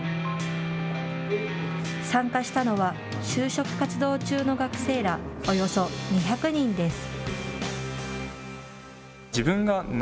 参加したのは就職活動中の学生らおよそ２００人です。